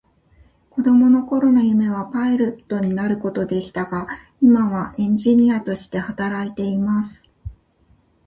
子供の頃の夢はパイロットになることでしたが、今はエンジニアとして働いています。